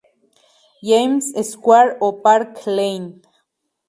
James Square o Park Lane.